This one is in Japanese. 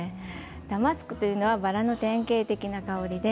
ダマスクというのはバラの典型的な香りで。